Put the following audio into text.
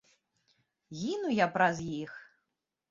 Гіну я праз іх!